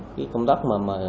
cái công tác mà